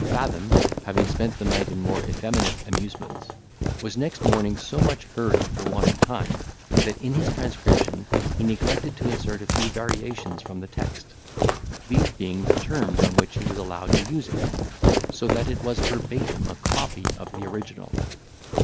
Fathom, having spent the night in more effeminate amusements, was next morning so much hurried for want of time, that in his transcription he neglected to insert a few variations from the text, these being the terms on which he was allowed to use it; so that it was verbatim a copy of the original.